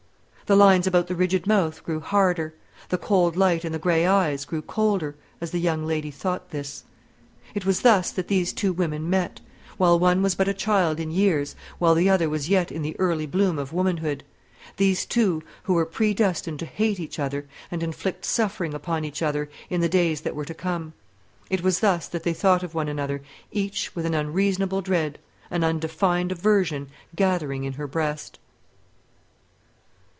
The lines about the rigid mouth grew harder, the cold light in the grey eyes grew colder, as the young lady thought this. It was thus that these two women met: while one was but a child in years; while the other was yet in the early bloom of womanhood: these two, who were predestined to hate each other, and inflict suffering upon each other in the days that were to come. It was thus that they thought of one another; each with an unreasonable dread, an undefined aversion gathering in her breast.